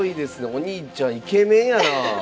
お兄ちゃんイケメンやなあ。